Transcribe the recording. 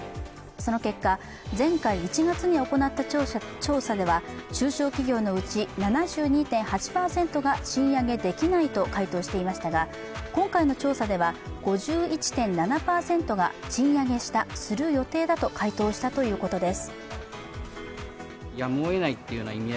その結果、前回１月に行った調査では中小企業のうち７２．８％が賃上げできないと回答していましたが今回の調査では５１．７％が賃上げした、する予定だと回答したということです。